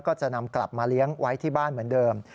ก็จะนำกลับมาเลี้ยงไว้ที่บ้านเหมือนเดิม